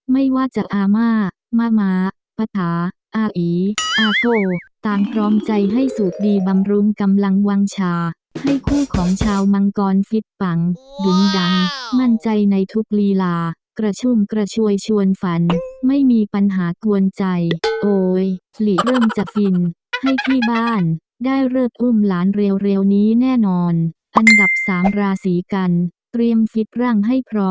ไม่ว่าจะอาม่าม่าม้าพาอาเออาโกต่างพร้อมใจให้สูบดีบำรุงกำลังวางชาให้คู่ของชาวมังกรฟิตปังดินดังมั่นใจในทุกลีลากระชุ่มกระชวยชวนฝันไม่มีปัญหากวนใจโอ๊ยหลีเริ่มจะฟินให้ที่บ้านได้เลิกอุ้มหลานเร็วนี้แน่นอนอันดับสามราศีกันเตรียมฟิตร่างให้พอ